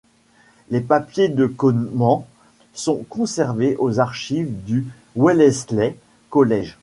Les papiers de Coman sont conservés aux archives du Wellesley College.